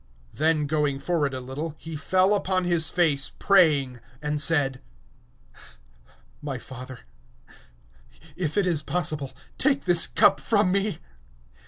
(39)And going forward a little, he fell on his face, praying, and saying: My Father, if it is possible, let this cup pass away from me.